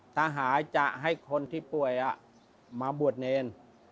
ถ้าหายจะให้คนที่ป่วยมาบวชเนร